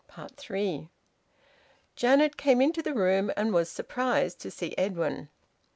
THREE. Janet came into the room, and was surprised to see Edwin.